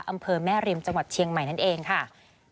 อำเภอแม่ริมจังหวัดเชียงใหม่นั่นเองค่ะ